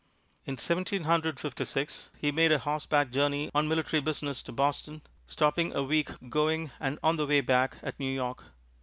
In Seventeen Hundred Fifty six, he made a horseback journey on military business to Boston, stopping a week going and on the way back at New York.